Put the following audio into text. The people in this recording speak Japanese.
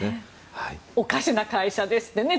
おかしな会社ですってね。